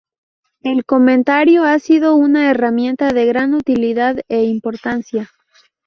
El comentario ha sido una herramienta de gran utilidad e importancia.